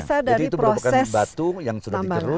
jadi itu bukan batu yang sudah digerus